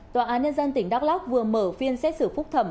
tòa án nhân dân tỉnh đắk lắc vừa mở phiên xét xử phúc thẩm